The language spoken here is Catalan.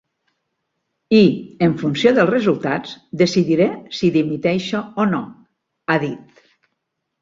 I, en funció dels resultats, decidiré si dimiteixo o no, ha dit.